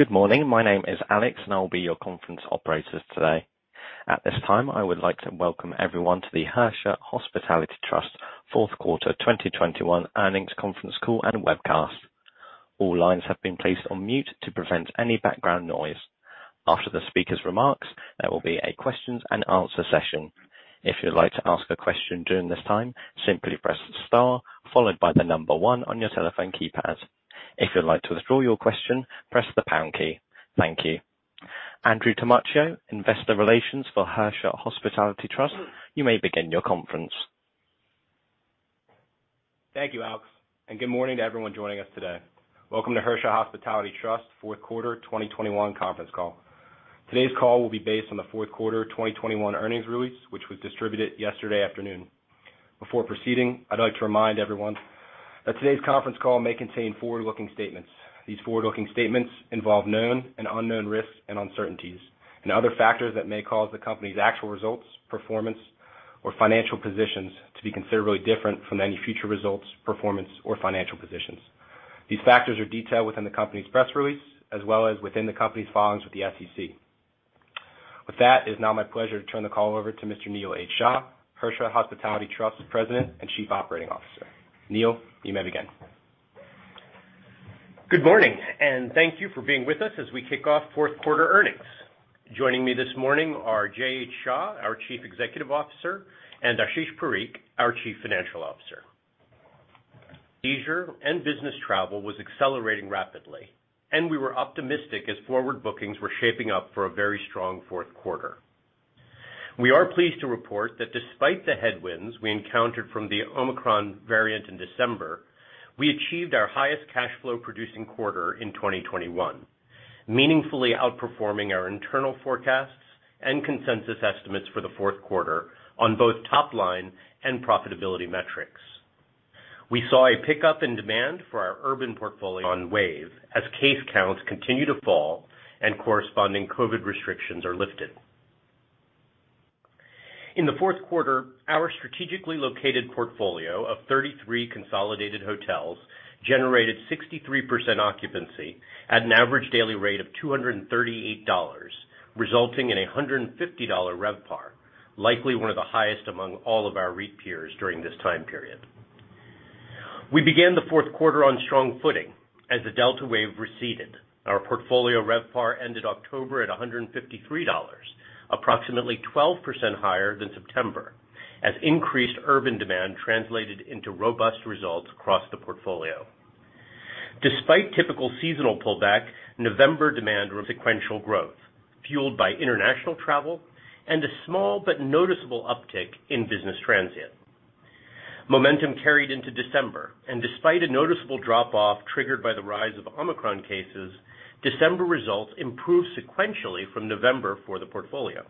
Good morning. My name is Alex, and I will be your conference operator today. At this time, I would like to welcome everyone to the Hersha Hospitality Trust fourth quarter 2021 earnings conference call and webcast. All lines have been placed on mute to prevent any background noise. After the speaker's remarks, there will be a question and answer session. If you'd like to ask a question during this time, simply press star followed by the number 1 on your telephone keypad. If you'd like to withdraw your question, press the pound key. Thank you. Andrew Tamaccio, investor relations for Hersha Hospitality Trust, you may begin your conference. Thank you, Alex, and good morning to everyone joining us today. Welcome to Hersha Hospitality Trust fourth quarter 2021 conference call. Today's call will be based on the fourth quarter 2021 earnings release, which was distributed yesterday afternoon. Before proceeding, I'd like to remind everyone that today's conference call may contain forward-looking statements. These forward-looking statements involve known and unknown risks and uncertainties and other factors that may cause the company's actual results, performance, or financial positions to be considerably different from any future results, performance, or financial positions. These factors are detailed within the company's press release as well as within the company's filings with the SEC. With that, it's now my pleasure to turn the call over to Mr. Neil H. Shah, Hersha Hospitality Trust President and Chief Operating Officer. Neil, you may begin. Good morning, and thank you for being with us as we kick off fourth quarter earnings. Joining me this morning are Jay H. Shah, our Chief Executive Officer, and Ashish Parikh, our Chief Financial Officer. Leisure and business travel was accelerating rapidly, and we were optimistic as forward bookings were shaping up for a very strong fourth quarter. We are pleased to report that despite the headwinds we encountered from the Omicron variant in December, we achieved our highest cash flow producing quarter in 2021, meaningfully outperforming our internal forecasts and consensus estimates for the fourth quarter on both top line and profitability metrics. We saw a pickup in demand for our urban portfolio on the wane as case counts continue to fall and corresponding COVID restrictions are lifted. In the fourth quarter, our strategically located portfolio of 33 consolidated hotels generated 63% occupancy at an average daily rate of $238, resulting in a $150 RevPAR, likely one of the highest among all of our REIT peers during this time period. We began the fourth quarter on strong footing as the Delta wave receded. Our portfolio RevPAR ended October at $153, approximately 12% higher than September, as increased urban demand translated into robust results across the portfolio. Despite typical seasonal pullback, November demand was sequential growth, fueled by international travel and a small but noticeable uptick in business transient. Momentum carried into December, and despite a noticeable drop-off triggered by the rise of Omicron cases, December results improved sequentially from November for the portfolio.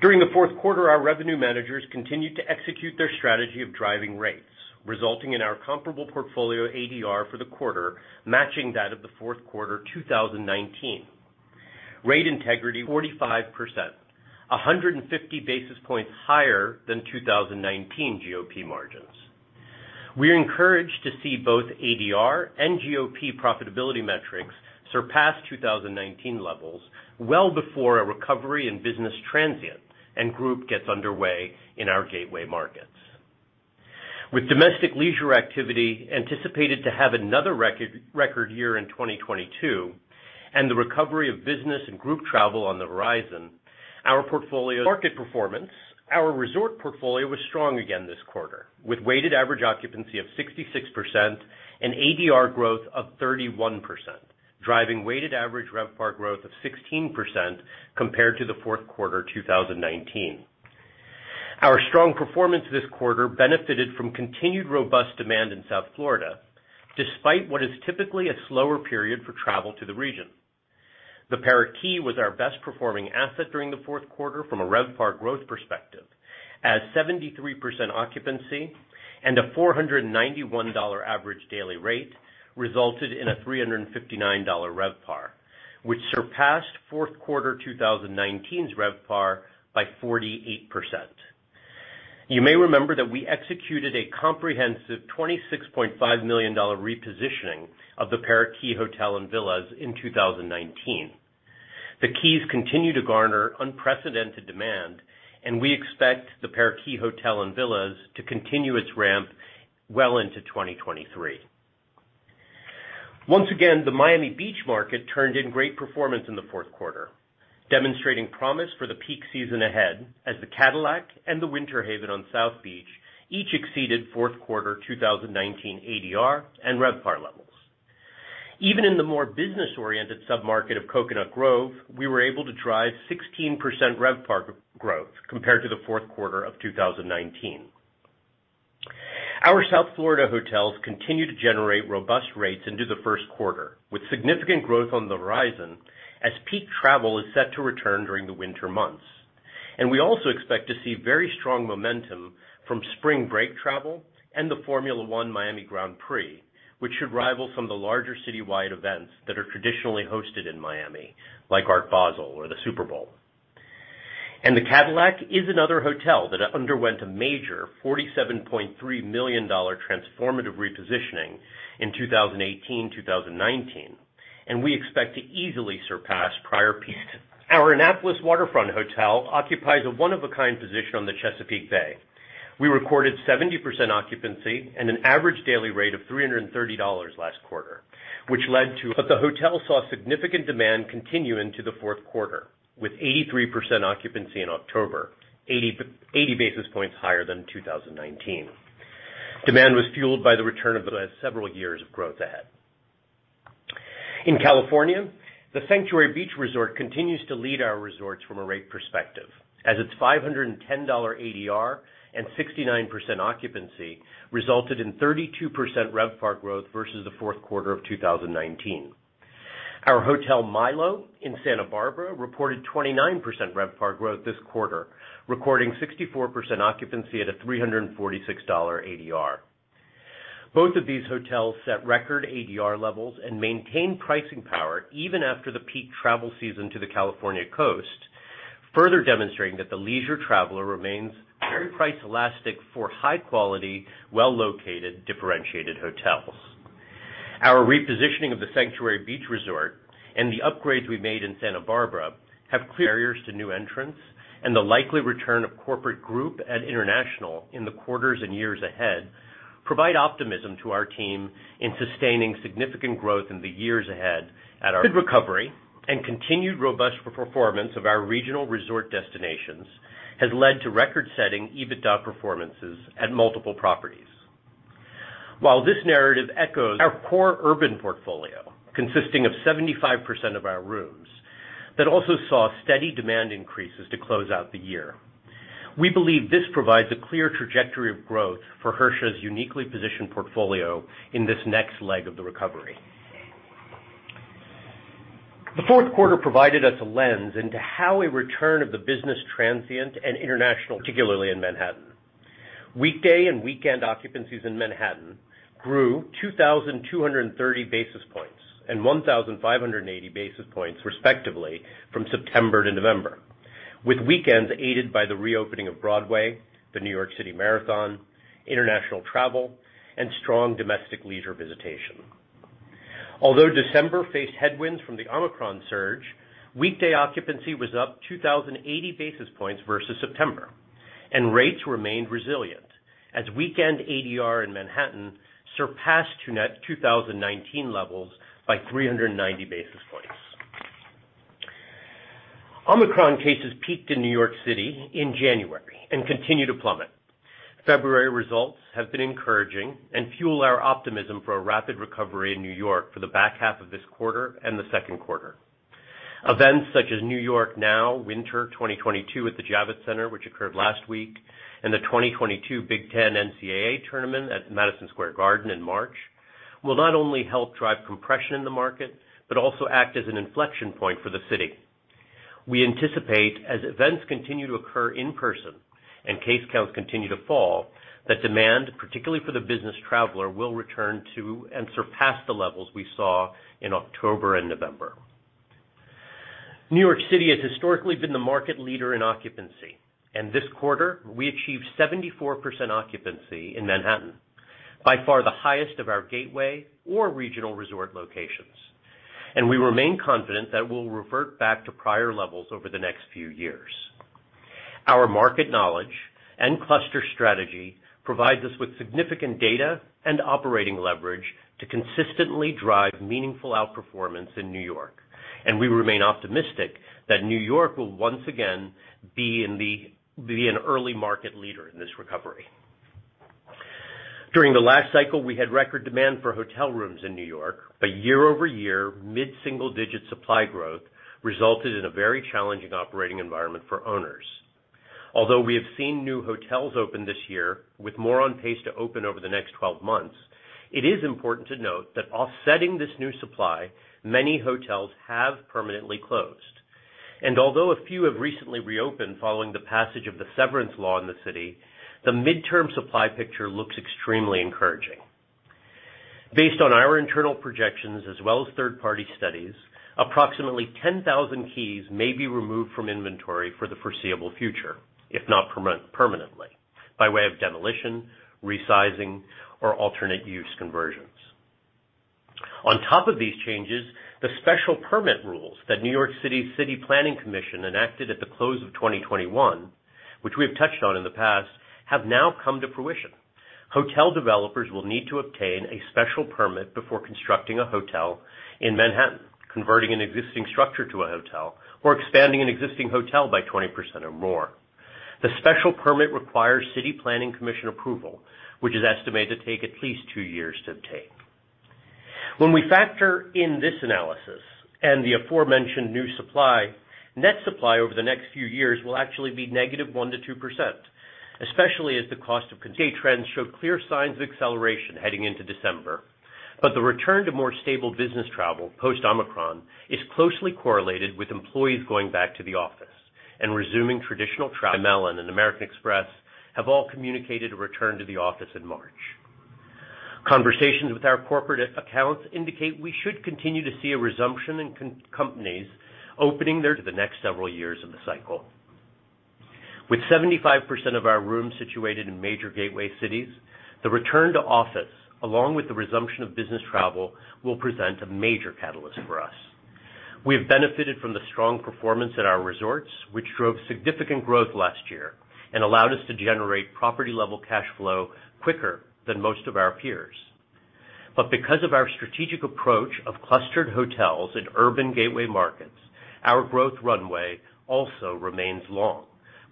During the fourth quarter, our revenue managers continued to execute their strategy of driving rates, resulting in our comparable portfolio ADR for the quarter matching that of the fourth quarter 2019. Rate integrity 45%, 150 basis points higher than 2019 GOP margins. We're encouraged to see both ADR and GOP profitability metrics surpass 2019 levels well before a recovery in business transient and group gets underway in our gateway markets. With domestic leisure activity anticipated to have another record year in 2022 and the recovery of business and group travel on the horizon, our portfolio's market performance. Our resort portfolio was strong again this quarter, with weighted average occupancy of 66% and ADR growth of 31%, driving weighted average RevPAR growth of 16% compared to the fourth quarter 2019. Our strong performance this quarter benefited from continued robust demand in South Florida, despite what is typically a slower period for travel to the region. The Parrot Key was our best performing asset during the fourth quarter from a RevPAR growth perspective as 73% occupancy and a $491 average daily rate resulted in a $359 RevPAR, which surpassed fourth quarter 2019's RevPAR by 48%. You may remember that we executed a comprehensive $26.5 million repositioning of the Parrot Key Hotel and Villas in 2019. The Keys continue to garner unprecedented demand, and we expect the Parrot Key Hotel and Villas to continue its ramp well into 2023. Once again, the Miami Beach market turned in great performance in the fourth quarter, demonstrating promise for the peak season ahead as the Cadillac and the Winter Haven on South Beach each exceeded fourth quarter 2019 ADR and RevPAR levels. Even in the more business-oriented sub-market of Coconut Grove, we were able to drive 16% RevPAR growth compared to the fourth quarter of 2019. Our South Florida hotels continue to generate robust rates into the first quarter, with significant growth on the horizon as peak travel is set to return during the winter months. We also expect to see very strong momentum from spring break travel and the Formula One Miami Grand Prix, which should rival some of the larger citywide events that are traditionally hosted in Miami, like Art Basel or the Super Bowl. The Cadillac is another hotel that underwent a major $47.3 million transformative repositioning in 2018, 2019, and we expect to easily surpass prior peak. Our Annapolis Waterfront Hotel occupies a one-of-a-kind position on the Chesapeake Bay. We recorded 70% occupancy and an average daily rate of $330 last quarter, which led to the hotel seeing significant demand continue into the fourth quarter, with 83% occupancy in October, 80 basis points higher than 2019. Demand was fueled by the return of the hotel having several years of growth ahead. In California, the Sanctuary Beach Resort continues to lead our resorts from a rate perspective as its $510 ADR and 69% occupancy resulted in 32% RevPAR growth versus the fourth quarter of 2019. Our Hotel Milo in Santa Barbara reported 29% RevPAR growth this quarter, recording 64% occupancy at a $346 ADR. Both of these hotels set record ADR levels and maintain pricing power even after the peak travel season to the California coast, further demonstrating that the leisure traveler remains very price elastic for high quality, well-located, differentiated hotels. Our repositioning of the Sanctuary Beach Resort and the upgrades we made in Santa Barbara have clear barriers to new entrants, and the likely return of corporate group and international in the quarters and years ahead provide optimism to our team in sustaining significant growth in the years ahead. Our recovery and continued robust performance of our regional resort destinations has led to record-setting EBITDA performances at multiple properties. While this narrative echoes our core urban portfolio, consisting of 75% of our rooms, that also saw steady demand increases to close out the year. We believe this provides a clear trajectory of growth for Hersha's uniquely positioned portfolio in this next leg of the recovery. The fourth quarter provided us a lens into how a return of the business transient and international, particularly in Manhattan. Weekday and weekend occupancies in Manhattan grew 2,230 basis points and 1,580 basis points, respectively, from September to November, with weekends aided by the reopening of Broadway, the New York City Marathon, international travel, and strong domestic leisure visitation. Although December faced headwinds from the Omicron surge, weekday occupancy was up 2,080 basis points versus September, and rates remained resilient as weekend ADR in Manhattan surpassed 2019 levels by 390 basis points. Omicron cases peaked in New York City in January and continue to plummet. February results have been encouraging and fuel our optimism for a rapid recovery in New York for the back half of this quarter and the second quarter. Events such as NY NOW, Winter 2022 at the Javits Center, which occurred last week, and the 2022 Big Ten NCAA Tournament at Madison Square Garden in March, will not only help drive compression in the market, but also act as an inflection point for the city. We anticipate, as events continue to occur in person and case counts continue to fall, that demand, particularly for the business traveler, will return to and surpass the levels we saw in October and November. New York City has historically been the market leader in occupancy, and this quarter we achieved 74% occupancy in Manhattan, by far the highest of our gateway or regional resort locations. We remain confident that we'll revert back to prior levels over the next few years. Our market knowledge and cluster strategy provides us with significant data and operating leverage to consistently drive meaningful outperformance in New York. We remain optimistic that New York will once again be an early market leader in this recovery. During the last cycle, we had record demand for hotel rooms in New York, but year-over-year mid-single-digit supply growth resulted in a very challenging operating environment for owners. Although we have seen new hotels open this year with more on pace to open over the next 12 months, it is important to note that offsetting this new supply, many hotels have permanently closed. Although a few have recently reopened following the passage of the severance law in the city, the mid-term supply picture looks extremely encouraging. Based on our internal projections as well as third-party studies, approximately 10,000 keys may be removed from inventory for the foreseeable future, if not permanently, by way of demolition, resizing, or alternate use conversions. On top of these changes, the special permit rules that New York City Planning Commission enacted at the close of 2021, which we have touched on in the past, have now come to fruition. Hotel developers will need to obtain a special permit before constructing a hotel in Manhattan, converting an existing structure to a hotel, or expanding an existing hotel by 20% or more. The special permit requires City Planning Commission approval, which is estimated to take at least 2 years to obtain. When we factor in this analysis and the aforementioned new supply, net supply over the next few years will actually be negative 1%-2%, especially as the cost of construction. Spend trends showed clear signs of acceleration heading into December. The return to more stable business travel post Omicron is closely correlated with employees going back to the office and resuming traditional travel. BNY Mellon and American Express have all communicated a return to the office in March. Conversations with our corporate accounts indicate we should continue to see a resumption in corporate travel as companies open their doors to the next several years of the cycle. With 75% of our rooms situated in major gateway cities, the return to office, along with the resumption of business travel, will present a major catalyst for us. We have benefited from the strong performance at our resorts, which drove significant growth last year and allowed us to generate property-level cash flow quicker than most of our peers. Because of our strategic approach of clustered hotels in urban gateway markets, our growth runway also remains long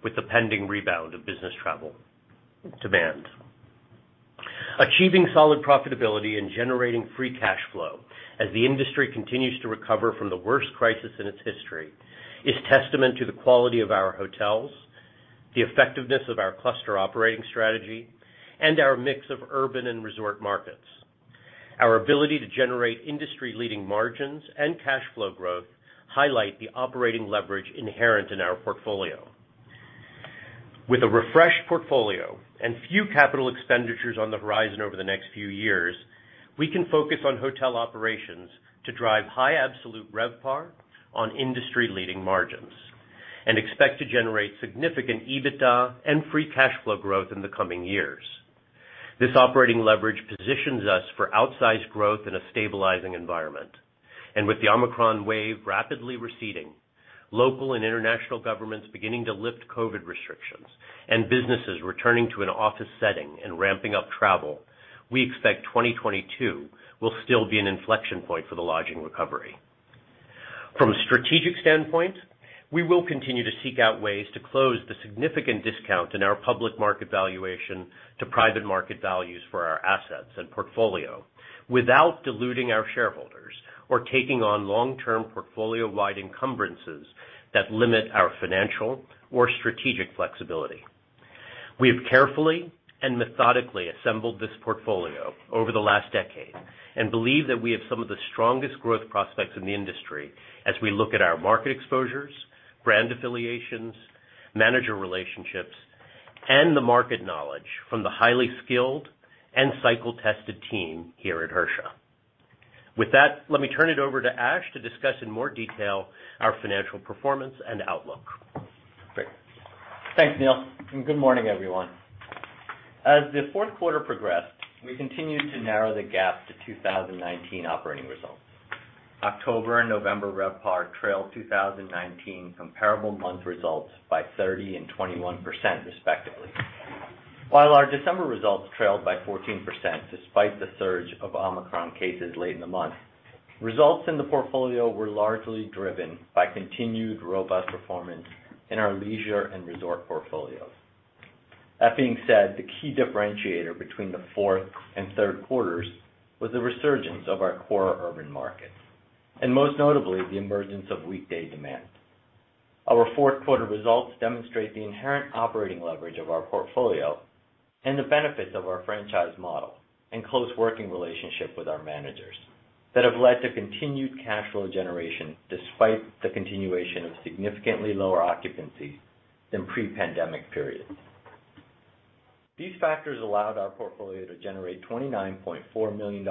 with the pending rebound of business travel demand. Achieving solid profitability and generating free cash flow as the industry continues to recover from the worst crisis in its history is testament to the quality of our hotels, the effectiveness of our cluster operating strategy, and our mix of urban and resort markets. Our ability to generate industry-leading margins and cash flow growth highlight the operating leverage inherent in our portfolio. With a refreshed portfolio and few capital expenditures on the horizon over the next few years, we can focus on hotel operations to drive high absolute RevPAR on industry-leading margins and expect to generate significant EBITDA and free cash flow growth in the coming years. This operating leverage positions us for outsized growth in a stabilizing environment. With the Omicron wave rapidly receding, local and international governments beginning to lift COVID restrictions, and businesses returning to an office setting and ramping up travel, we expect 2022 will still be an inflection point for the lodging recovery. From a strategic standpoint, we will continue to seek out ways to close the significant discount in our public market valuation to private market values for our assets and portfolio without diluting our shareholders or taking on long-term portfolio-wide encumbrances that limit our financial or strategic flexibility. We have carefully and methodically assembled this portfolio over the last decade and believe that we have some of the strongest growth prospects in the industry as we look at our market exposures, brand affiliations, manager relationships, and the market knowledge from the highly skilled and cycle-tested team here at Hersha. With that, let me turn it over to Ash to discuss in more detail our financial performance and outlook. Great. Thanks, Neil, and good morning, everyone. As the fourth quarter progressed, we continued to narrow the gap to 2019 operating results. October and November RevPAR trailed 2019 comparable month results by 30% and 21% respectively. While our December results trailed by 14%, despite the surge of Omicron cases late in the month, results in the portfolio were largely driven by continued robust performance in our leisure and resort portfolios. That being said, the key differentiator between the fourth and third quarters was the resurgence of our core urban markets, and most notably, the emergence of weekday demand. Our fourth quarter results demonstrate the inherent operating leverage of our portfolio and the benefits of our franchise model and close working relationship with our managers that have led to continued cash flow generation despite the continuation of significantly lower occupancy than pre-pandemic periods. These factors allowed our portfolio to generate $29.4 million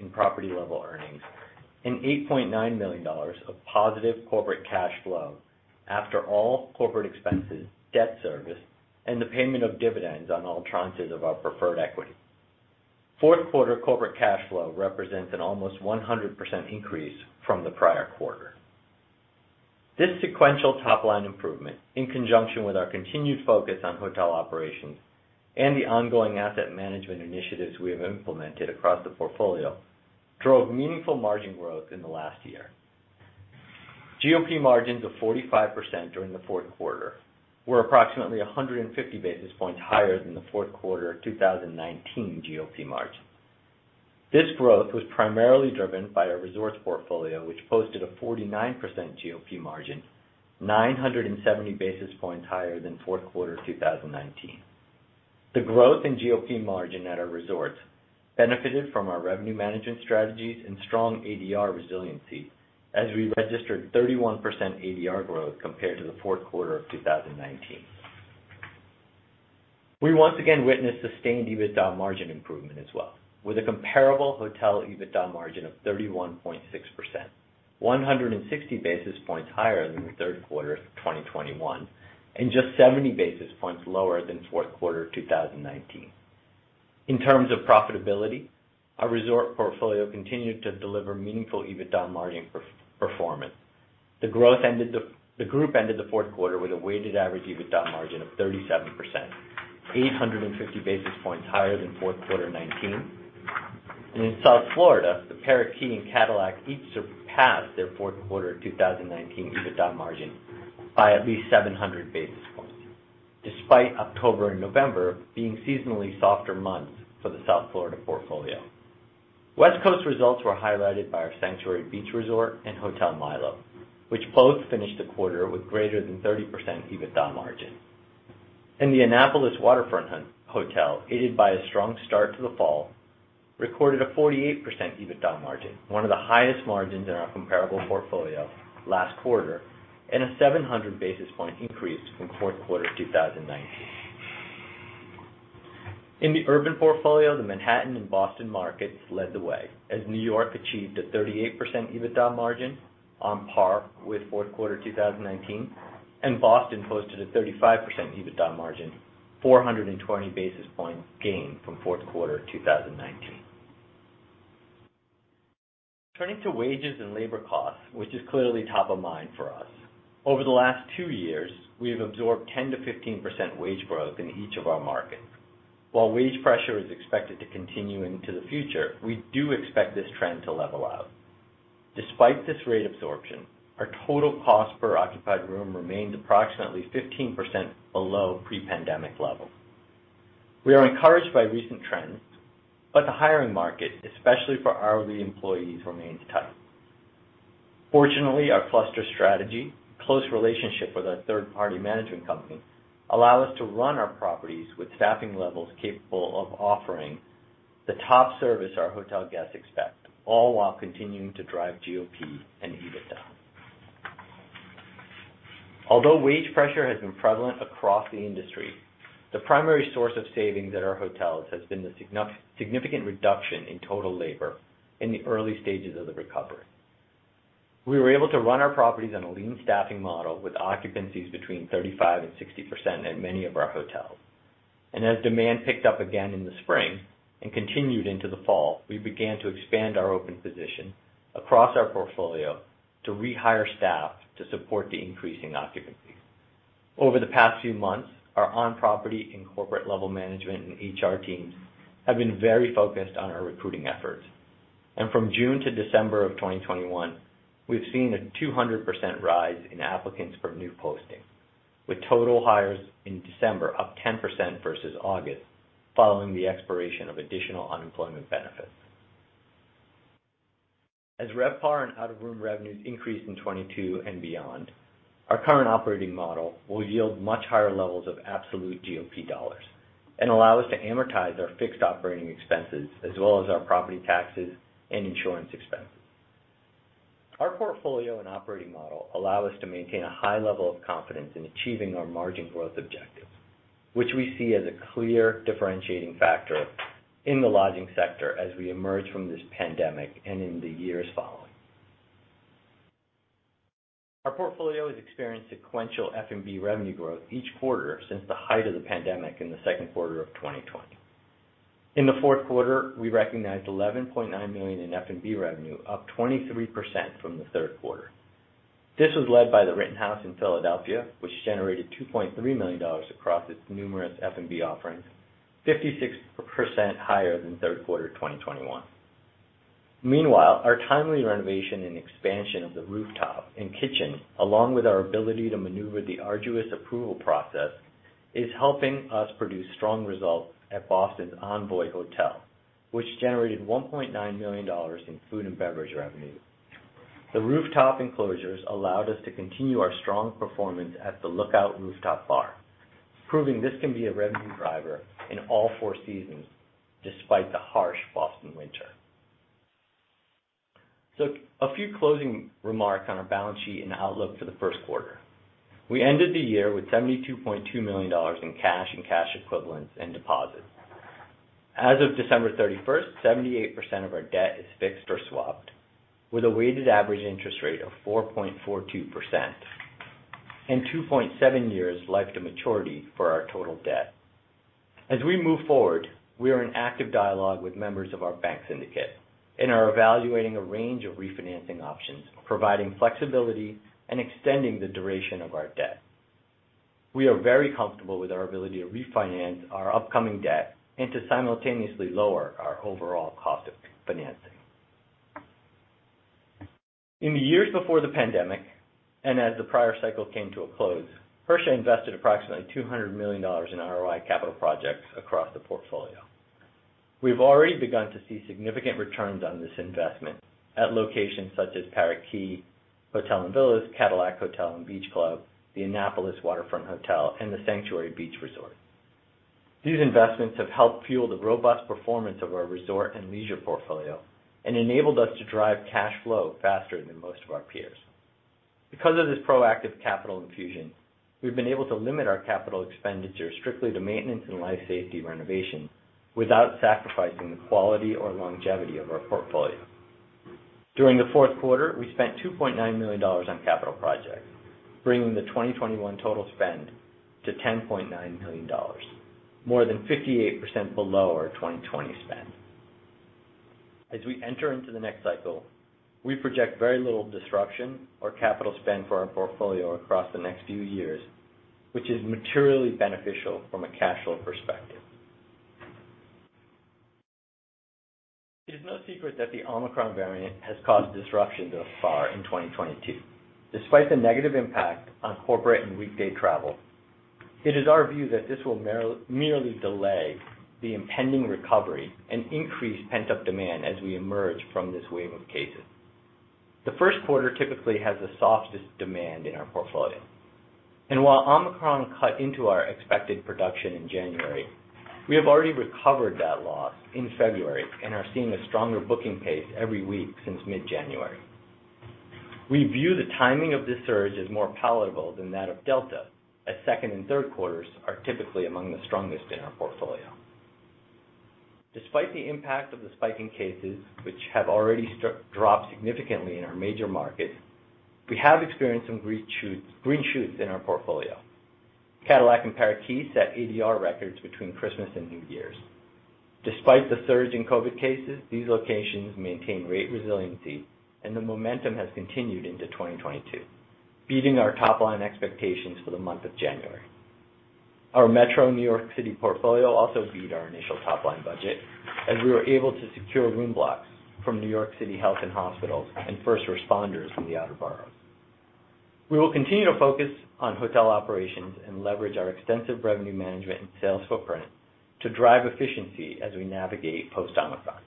in property level earnings and $8.9 million of positive corporate cash flow after all corporate expenses, debt service, and the payment of dividends on all tranches of our preferred equity. Fourth quarter corporate cash flow represents an almost 100% increase from the prior quarter. This sequential top line improvement, in conjunction with our continued focus on hotel operations and the ongoing asset management initiatives we have implemented across the portfolio, drove meaningful margin growth in the last year. GOP margins of 45% during the fourth quarter were approximately 150 basis points higher than the fourth quarter of 2019 GOP margin. This growth was primarily driven by our resorts portfolio, which posted a 49% GOP margin, 970 basis points higher than fourth quarter of 2019. The growth in GOP margin at our resorts benefited from our revenue management strategies and strong ADR resiliency as we registered 31% ADR growth compared to the fourth quarter of 2019. We once again witnessed sustained EBITDA margin improvement as well with a comparable hotel EBITDA margin of 31.6%, 160 basis points higher than the third quarter of 2021 and just 70 basis points lower than fourth quarter of 2019. In terms of profitability, our resort portfolio continued to deliver meaningful EBITDA margin performance. The group ended the fourth quarter with a weighted average EBITDA margin of 37%, 850 basis points higher than fourth quarter 2019. In South Florida, the Parrot Key and Cadillac each surpassed their fourth quarter 2019 EBITDA margin by at least 700 basis points, despite October and November being seasonally softer months for the South Florida portfolio. West Coast results were highlighted by our Sanctuary Beach Resort and Hotel Milo, which both finished the quarter with greater than 30% EBITDA margin. In the Annapolis Waterfront Hotel, aided by a strong start to the fall, recorded a 48% EBITDA margin, one of the highest margins in our comparable portfolio last quarter and a 700 basis point increase from fourth quarter of 2019. In the urban portfolio, the Manhattan and Boston markets led the way, as New York achieved a 38% EBITDA margin on par with fourth quarter 2019, and Boston posted a 35% EBITDA margin, 420 basis points gain from fourth quarter 2019. Turning to wages and labor costs, which is clearly top of mind for us. Over the last two years, we have absorbed 10%-15% wage growth in each of our markets. While wage pressure is expected to continue into the future, we do expect this trend to level out. Despite this rate absorption, our total cost per occupied room remains approximately 15% below pre-pandemic levels. We are encouraged by recent trends, but the hiring market, especially for hourly employees, remains tight. Fortunately, our cluster strategy, close relationship with our third-party management company, allow us to run our properties with staffing levels capable of offering the top service our hotel guests expect, all while continuing to drive GOP and EBITDA. Although wage pressure has been prevalent across the industry, the primary source of savings at our hotels has been the significant reduction in total labor in the early stages of the recovery. We were able to run our properties on a lean staffing model with occupancies between 35%-60% at many of our hotels. As demand picked up again in the spring and continued into the fall, we began to expand our open position across our portfolio to rehire staff to support the increasing occupancy. Over the past few months, our on-property and corporate level management and HR teams have been very focused on our recruiting efforts. From June to December of 2021, we've seen a 200% rise in applicants for new posting, with total hires in December up 10% versus August following the expiration of additional unemployment benefits. As RevPAR and out-of-room revenues increase in 2022 and beyond, our current operating model will yield much higher levels of absolute GOP dollars and allow us to amortize our fixed operating expenses as well as our property taxes and insurance expenses. Our portfolio and operating model allow us to maintain a high level of confidence in achieving our margin growth objectives, which we see as a clear differentiating factor in the lodging sector as we emerge from this pandemic and in the years following. Our portfolio has experienced sequential F&B revenue growth each quarter since the height of the pandemic in the second quarter of 2020. In the fourth quarter, we recognized $11.9 million in F&B revenue, up 23% from the third quarter. This was led by The Rittenhouse in Philadelphia, which generated $2.3 million across its numerous F&B offerings, 56% higher than third quarter of 2021. Meanwhile, our timely renovation and expansion of the rooftop and kitchen, along with our ability to maneuver the arduous approval process, is helping us produce strong results at Boston's Envoy Hotel, which generated $1.9 million in food and beverage revenue. The rooftop enclosures allowed us to continue our strong performance at the Lookout Rooftop Bar, proving this can be a revenue driver in all four seasons despite the harsh Boston winter. A few closing remarks on our balance sheet and outlook for the first quarter. We ended the year with $72.2 million in cash and cash equivalents and deposits. As of December thirty-first, 78% of our debt is fixed or swapped with a weighted average interest rate of 4.42% and 2.7 years life to maturity for our total debt. As we move forward, we are in active dialogue with members of our bank syndicate and are evaluating a range of refinancing options, providing flexibility and extending the duration of our debt. We are very comfortable with our ability to refinance our upcoming debt and to simultaneously lower our overall cost of financing. In the years before the pandemic, and as the prior cycle came to a close, Hersha invested approximately $200 million in ROI capital projects across the portfolio. We've already begun to see significant returns on this investment at locations such as Parrot Key Hotel and Villas, Cadillac Hotel and Beach Club, the Annapolis Waterfront Hotel, and the Sanctuary Beach Resort. These investments have helped fuel the robust performance of our resort and leisure portfolio and enabled us to drive cash flow faster than most of our peers. Because of this proactive capital infusion, we've been able to limit our capital expenditure strictly to maintenance and life safety renovation without sacrificing the quality or longevity of our portfolio. During the fourth quarter, we spent $2.9 million on capital projects, bringing the 2021 total spend to $10.9 million, more than 58% below our 2020 spend. As we enter into the next cycle, we project very little disruption or capital spend for our portfolio across the next few years, which is materially beneficial from a cash flow perspective. It is no secret that the Omicron variant has caused disruption thus far in 2022. Despite the negative impact on corporate and weekday travel, it is our view that this will merely delay the impending recovery and increase pent-up demand as we emerge from this wave of cases. The first quarter typically has the softest demand in our portfolio. While Omicron cut into our expected production in January, we have already recovered that loss in February and are seeing a stronger booking pace every week since mid-January. We view the timing of this surge as more palatable than that of Delta, as second and third quarters are typically among the strongest in our portfolio. Despite the impact of the spike in cases, which have already dropped significantly in our major markets, we have experienced some green shoots in our portfolio. Cadillac and Parrot Key set ADR records between Christmas and New Year's. Despite the surge in COVID cases, these locations maintain great resiliency, and the momentum has continued into 2022, beating our top-line expectations for the month of January. Our Metro New York City portfolio also beat our initial top-line budget as we were able to secure room blocks from NYC Health + Hospitals and first responders from the outer boroughs. We will continue to focus on hotel operations and leverage our extensive revenue management and sales footprint to drive efficiency as we navigate post-Omicron.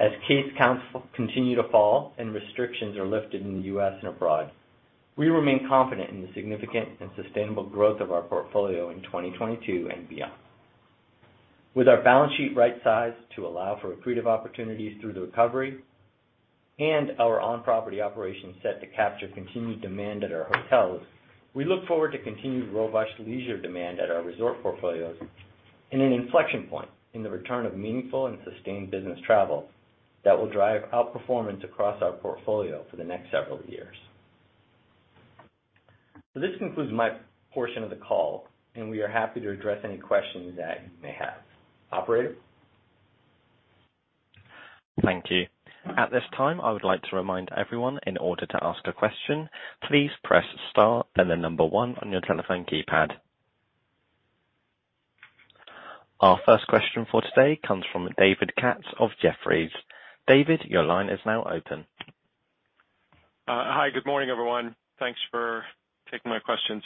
As case counts continue to fall and restrictions are lifted in the U.S. and abroad, we remain confident in the significant and sustainable growth of our portfolio in 2022 and beyond. With our balance sheet right-sized to allow for accretive opportunities through the recovery and our on-property operations set to capture continued demand at our hotels, we look forward to continued robust leisure demand at our resort portfolios in an inflection point in the return of meaningful and sustained business travel that will drive outperformance across our portfolio for the next several years. This concludes my portion of the call, and we are happy to address any questions that you may have. Operator? Thank you. At this time, I would like to remind everyone in order to ask a question, please press star and the number one on your telephone keypad. Our first question for today comes from David Katz of Jefferies. David, your line is now open. Hi, good morning, everyone. Thanks for taking my questions.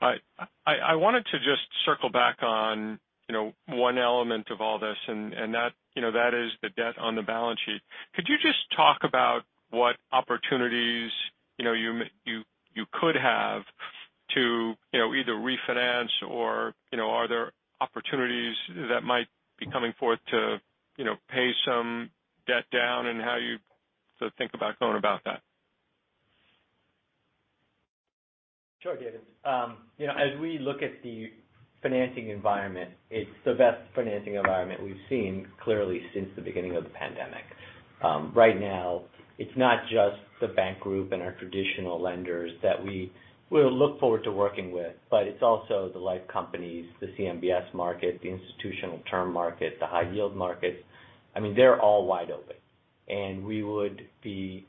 I wanted to just circle back on, you know, one element of all this and that, you know, that is the debt on the balance sheet. Could you just talk about what opportunities, you know, you could have to, you know, either refinance or, you know, are there opportunities that might be coming forth to, you know, pay some debt down and how you sort of think about going about that? Sure, David. You know, as we look at the financing environment, it's the best financing environment we've seen, clearly, since the beginning of the pandemic. Right now, it's not just the bank group and our traditional lenders that we will look forward to working with, but it's also the life companies, the CMBS market, the institutional term market, the high yield market. I mean, they're all wide open. We would be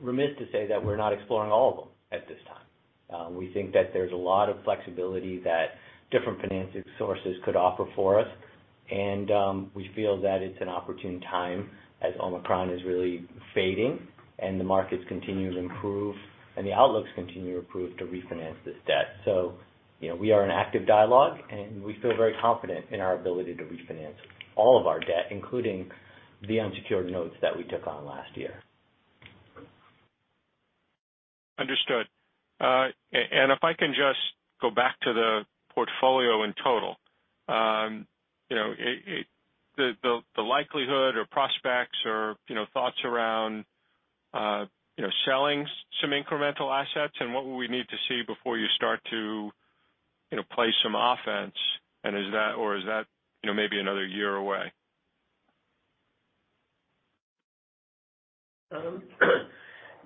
remiss to say that we're not exploring all of them at this time. We think that there's a lot of flexibility that different financing sources could offer for us, and we feel that it's an opportune time as Omicron is really fading and the markets continue to improve and the outlooks continue to improve to refinance this debt. You know, we are in active dialogue, and we feel very confident in our ability to refinance all of our debt, including the unsecured notes that we took on last year. Understood. And if I can just go back to the portfolio in total, you know, the likelihood or prospects or, you know, thoughts around, you know, selling some incremental assets and what would we need to see before you start to, you know, play some offense and is that, you know, maybe another year away?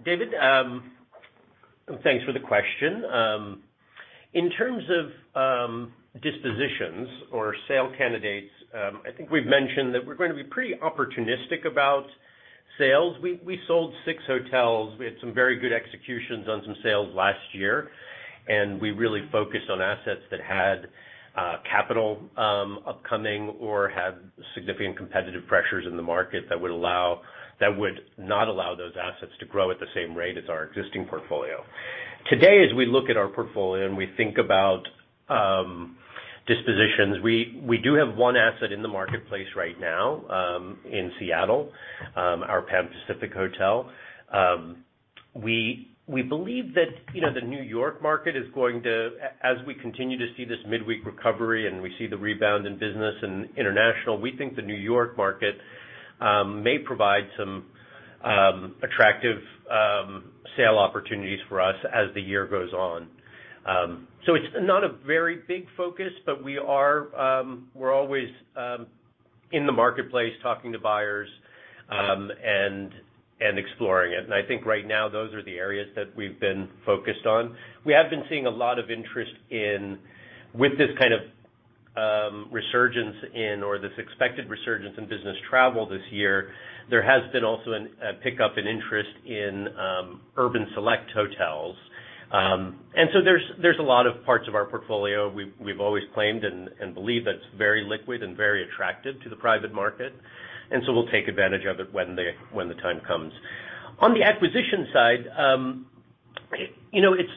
David, thanks for the question. In terms of dispositions or sale candidates, I think we've mentioned that we're going to be pretty opportunistic about sales. We sold six hotels. We had some very good executions on some sales last year, and we really focused on assets that had capital upcoming or had significant competitive pressures in the market that would not allow those assets to grow at the same rate as our existing portfolio. Today, as we look at our portfolio, and we think about dispositions, we do have one asset in the marketplace right now, in Seattle, our Pan Pacific Hotel. We believe that, you know, the New York market is going to—as we continue to see this midweek recovery and we see the rebound in business and international, we think the New York market may provide some attractive sale opportunities for us as the year goes on. It's not a very big focus, but we're always in the marketplace talking to buyers and exploring it. I think right now those are the areas that we've been focused on. We have been seeing a lot of interest in, with this kind of resurgence in or this expected resurgence in business travel this year, there has been also a pickup in interest in urban select hotels. There's a lot of parts of our portfolio we've always claimed and believe that it's very liquid and very attractive to the private market. We'll take advantage of it when the time comes. On the acquisition side,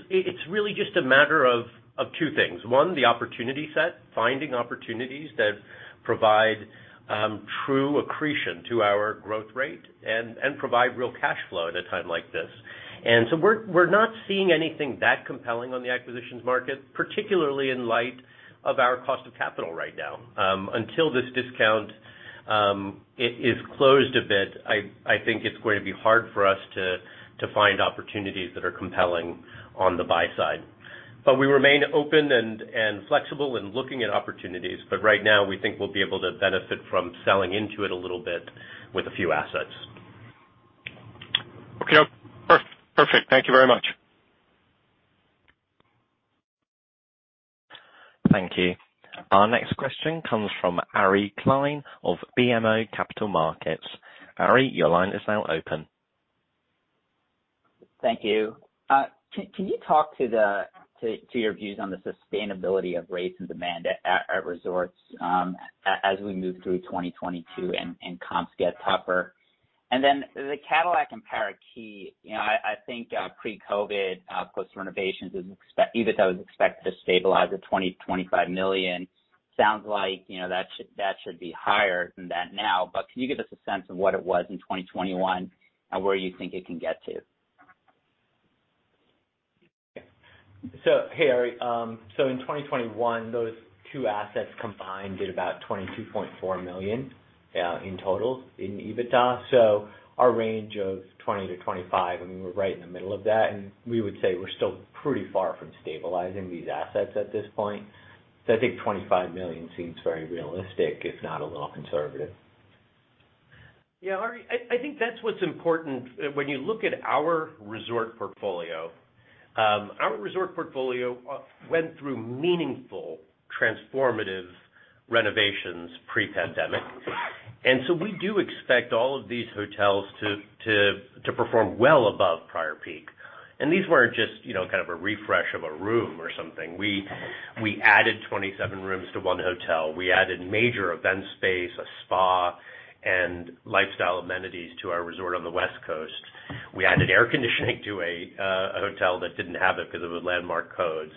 it's really just a matter of two things. One, the opportunity set, finding opportunities that provide true accretion to our growth rate and provide real cash flow at a time like this. We're not seeing anything that compelling on the acquisitions market, particularly in light of our cost of capital right now. Until this discount It is closed a bit. I think it's going to be hard for us to find opportunities that are compelling on the buy side. We remain open and flexible in looking at opportunities. Right now, we think we'll be able to benefit from selling into it a little bit with a few assets. Okay. Perfect. Thank you very much. Thank you. Our next question comes from Ari Klein of BMO Capital Markets. Ari, your line is now open. Thank you. Can you talk to your views on the sustainability of rates and demand at resorts as we move through 2022 and comps get tougher? Then the Cadillac and Parrot Key, you know, I think pre-COVID post-renovations EBITDA was expected to stabilize at $20-$25 million. Sounds like, you know, that should be higher than that now. But can you give us a sense of what it was in 2021 and where you think it can get to? Hey, Ari. In 2021, those two assets combined did about $22.4 million in total in EBITDA. Our range of $20 million-$25 million, I mean, we're right in the middle of that, and we would say we're still pretty far from stabilizing these assets at this point. I think $25 million seems very realistic, if not a little conservative. Yeah, Ari, I think that's what's important. When you look at our resort portfolio, our resort portfolio went through meaningful transformative renovations pre-pandemic. We do expect all of these hotels to perform well above prior peak. These weren't just, you know, kind of a refresh of a room or something. We added 27 rooms to one hotel. We added major event space, a spa, and lifestyle amenities to our resort on the West Coast. We added air conditioning to a hotel that didn't have it because of the landmark codes.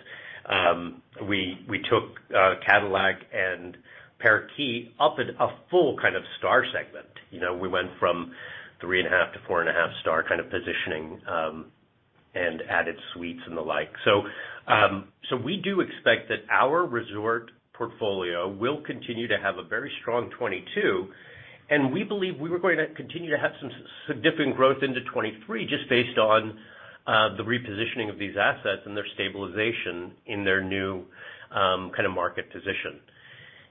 We took Cadillac and Parrot Key up a full kind of star segment. You know, we went from 3.5 to 4.5 star kind of positioning, and added suites and the like. We do expect that our resort portfolio will continue to have a very strong 2022, and we believe we were gonna continue to have some significant growth into 2023 just based on the repositioning of these assets and their stabilization in their new kind of market position.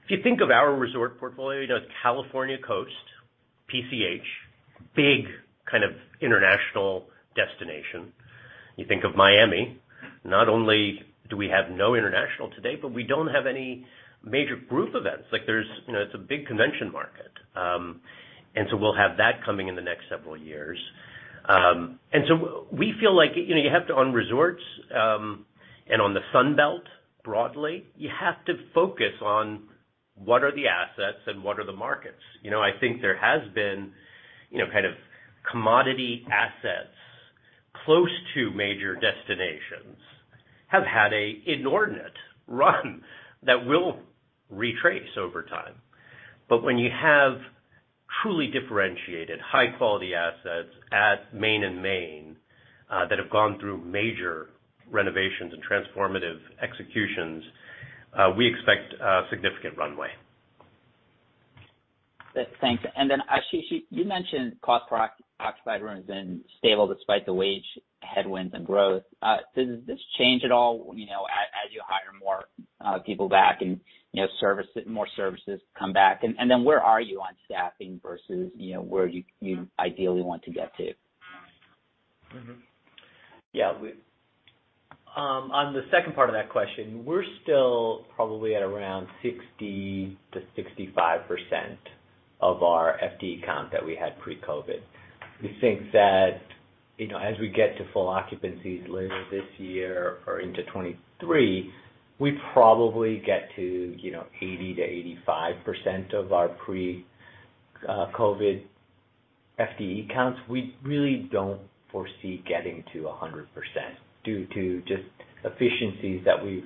If you think of our resort portfolio, you know, California Coast, PCH, big kind of international destination. You think of Miami, not only do we have no international today, but we don't have any major group events. Like there's, you know, it's a big convention market. We feel like, you know, on resorts and on the Sun Belt, broadly, you have to focus on what are the assets and what are the markets. You know, I think there has been, you know, kind of commodity assets close to major destinations have had a inordinate run that will retrace over time. When you have truly differentiated high-quality assets at Main and Main, that have gone through major renovations and transformative executions, we expect a significant runway. Thanks. Ashish, you mentioned cost per occupied room has been stable despite the wage headwinds and growth. Does this change at all, you know, as you hire more people back and, you know, more services come back? Where are you on staffing versus, you know, where you ideally want to get to? On the second part of that question, we're still probably at around 60%-65% of our FTE count that we had pre-COVID. We think that, you know, as we get to full occupancies later this year or into 2023, we probably get to, you know, 80%-85% of our pre-COVID FTE counts. We really don't foresee getting to 100% due to just efficiencies that we've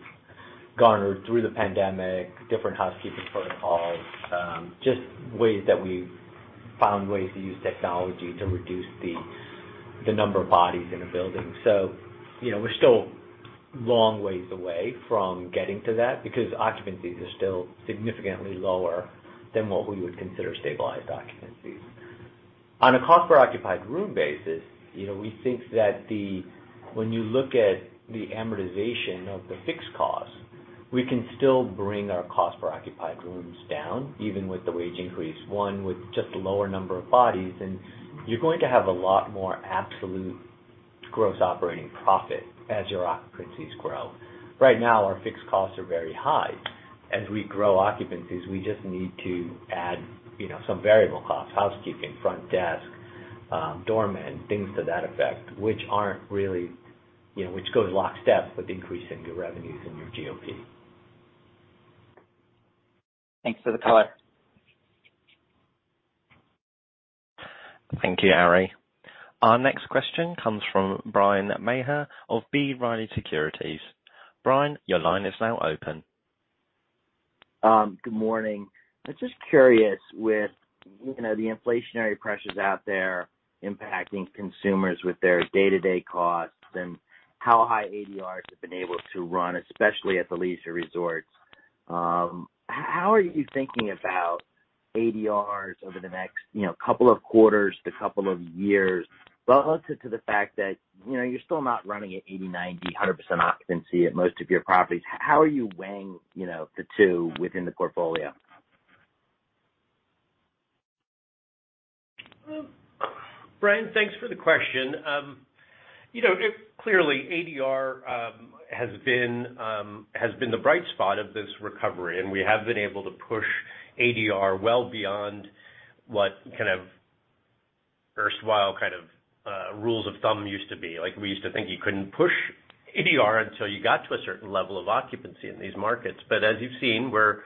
garnered through the pandemic, different housekeeping protocols, just ways that we've found ways to use technology to reduce the number of bodies in a building. You know, we're still long ways away from getting to that because occupancies are still significantly lower than what we would consider stabilized occupancies. On a cost per occupied room basis, you know, we think that when you look at the amortization of the fixed cost, we can still bring our cost per occupied rooms down, even with the wage increase, one, with just a lower number of bodies, and you're going to have a lot more absolute gross operating profit as your occupancies grow. Right now, our fixed costs are very high. As we grow occupancies, we just need to add, you know, some variable costs, housekeeping, front desk, doorman, things to that effect, which aren't really, you know, which goes lockstep with increasing your revenues and your GOP. Thanks for the color. Thank you, Ari. Our next question comes from Bryan Maher of B. Riley Securities. Brian, your line is now open. Good morning. I'm just curious, with, you know, the inflationary pressures out there impacting consumers with their day-to-day costs and how high ADRs have been able to run, especially at the leisure resorts. How are you thinking about ADRs over the next, you know, couple of quarters to couple of years? Well, listen to the fact that, you know, you're still not running at 80%, 90%, 100% occupancy at most of your properties. How are you weighing, you know, the two within the portfolio? Bryan, thanks for the question. You know, clearly ADR has been the bright spot of this recovery, and we have been able to push ADR well beyond what kind of erstwhile kind of rules of thumb used to be. Like, we used to think you couldn't push ADR until you got to a certain level of occupancy in these markets. As you've seen, we're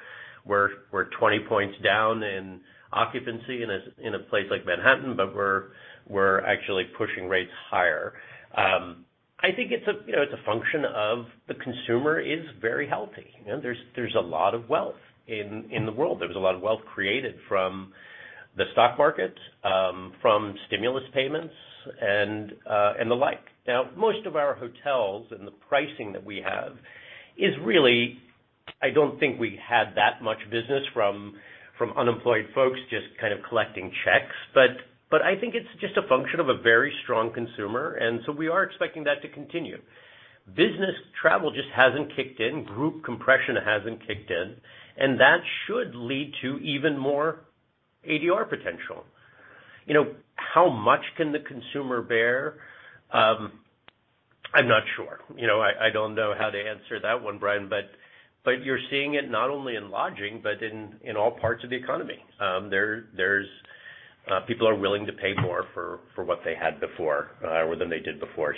20 points down in occupancy in a place like Manhattan, but we're actually pushing rates higher. I think it's a, you know, it's a function of the consumer is very healthy. You know, there's a lot of wealth in the world. There was a lot of wealth created from the stock market, from stimulus payments and the like. Now, most of our hotels and the pricing that we have is really. I don't think we had that much business from unemployed folks just kind of collecting checks. I think it's just a function of a very strong consumer, and so we are expecting that to continue. Business travel just hasn't kicked in. Group compression hasn't kicked in, and that should lead to even more ADR potential. You know, how much can the consumer bear? I'm not sure. You know, I don't know how to answer that one, Bryan, but you're seeing it not only in lodging, but in all parts of the economy. There's people are willing to pay more for what they had before, or than they did before.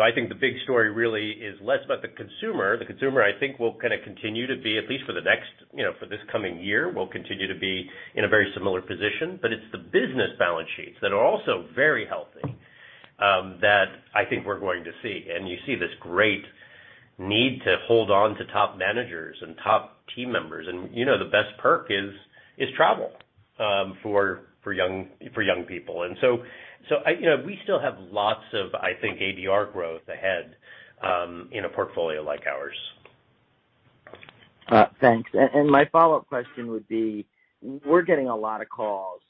I think the big story really is less about the consumer. The consumer, I think, will kinda continue to be, at least for the next, you know, for this coming year, in a very similar position. It's the business balance sheets that are also very healthy that I think we're going to see. You see this great need to hold on to top managers and top team members. You know, the best perk is travel for young people. So I, you know, we still have lots of, I think, ADR growth ahead in a portfolio like ours. Thanks. My follow-up question would be, we're getting a lot of calls,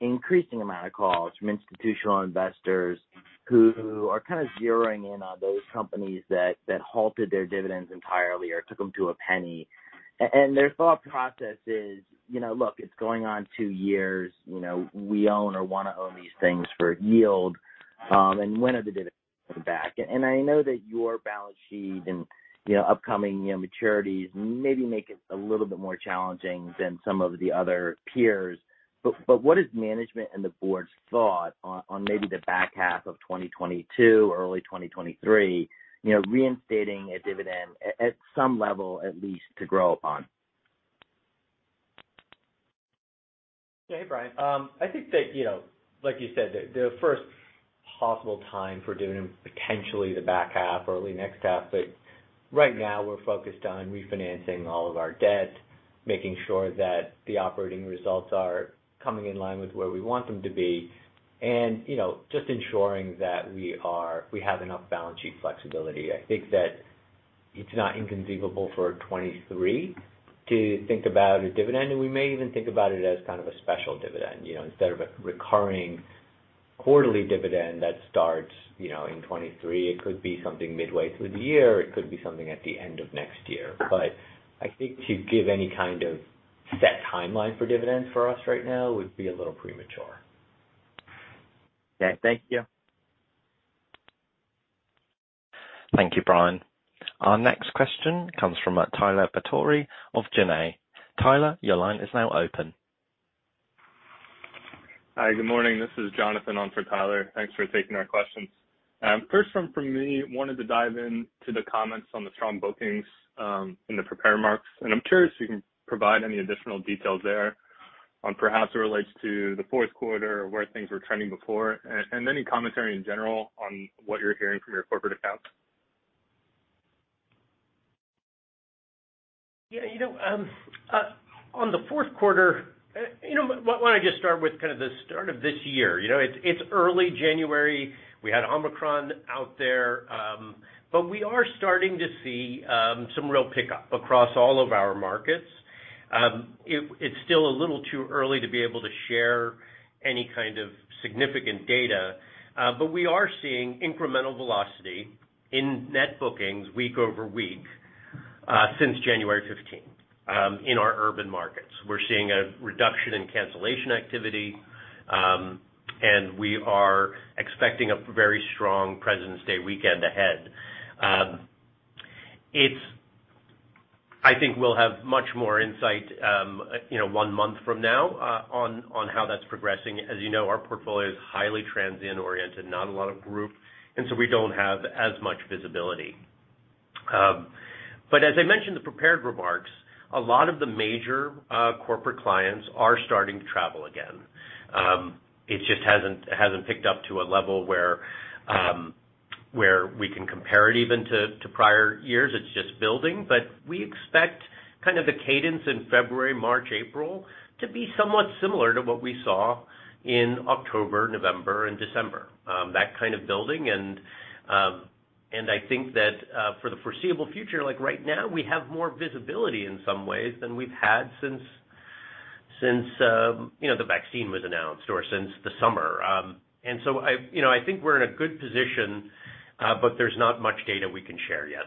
increasing amount of calls from institutional investors who are kind of zeroing in on those companies that halted their dividends entirely or took them to a penny. And their thought process is, you know, "Look, it's going on two years. You know, we own or wanna own these things for yield. And when are the dividends back?" I know that your balance sheet and, you know, upcoming, you know, maturities maybe make it a little bit more challenging than some of the other peers. But what is management and the board's thought on maybe the back half of 2022 or early 2023, you know, reinstating a dividend at some level, at least, to grow upon? Hey, Brian. I think that, you know, like you said, the first possible time for doing potentially the back half, early next half, but right now we're focused on refinancing all of our debt, making sure that the operating results are coming in line with where we want them to be, and, you know, just ensuring that we have enough balance sheet flexibility. I think that it's not inconceivable for 2023 to think about a dividend, and we may even think about it as kind of a special dividend. You know, instead of a recurring quarterly dividend that starts, you know, in 2023, it could be something midway through the year, it could be something at the end of next year. But I think to give any kind of set timeline for dividends for us right now would be a little premature. Okay. Thank you. Thank you, Bryan. Our next question comes from Tyler Batory of Janney Montgomery Scott. Tyler, your line is now open. Hi, good morning. This is Jonathan on for Tyler. Thanks for taking our questions. First one from me, wanted to dive in to the comments on the strong bookings in the prepared remarks. I'm curious if you can provide any additional details there on perhaps it relates to the fourth quarter where things were trending before, and any commentary in general on what you're hearing from your corporate accounts. Yeah. You know, on the fourth quarter, you know, why don't I just start with kind of the start of this year? You know, it's early January. We had Omicron out there, but we are starting to see some real pickup across all of our markets. It's still a little too early to be able to share any kind of significant data, but we are seeing incremental velocity in net bookings week over week, since January fifteenth, in our urban markets. We're seeing a reduction in cancellation activity, and we are expecting a very strong President's Day weekend ahead. I think we'll have much more insight, you know, one month from now, on how that's progressing. As you know, our portfolio is highly transient-oriented, not a lot of group, and so we don't have as much visibility. As I mentioned in the prepared remarks, a lot of the major corporate clients are starting to travel again. It just hasn't picked up to a level where we can compare it even to prior years. It's just building. We expect kind of the cadence in February, March, April to be somewhat similar to what we saw in October, November, and December. That kind of building and I think that for the foreseeable future, like right now, we have more visibility in some ways than we've had since you know, the vaccine was announced or since the summer. You know, I think we're in a good position, but there's not much data we can share yet.